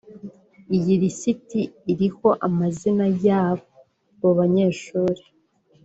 Iyi lisiti iriho amazina y’abo banyeshuri